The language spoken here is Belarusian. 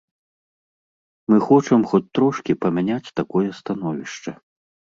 Мы хочам хоць трошкі памяняць такое становішча.